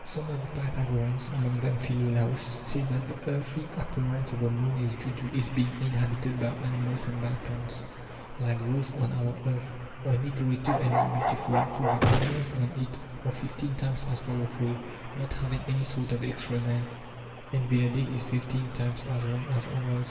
Some of the Pythagoreans, among them Philolaos, said that the earthy appearance of the moon is due to its being inhabited by animals and by plants, like those on our earth, only greater and more beautiful; for the animals on it are fifteen times as powerful, not having any sort of excrement, and their day is fifteen times as long as ours.